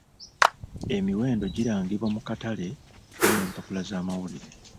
Emiwendo girangibwa mu katale ne mu mpapula z'amawulire.